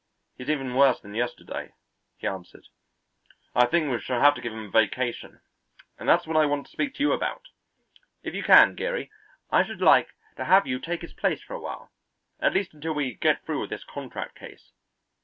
"He's even worse than yesterday," he answered. "I think we shall have to give him a vacation, and that's what I want to speak to you about. If you can, Geary, I should like to have you take his place for a while, at least until we get through with this contract case.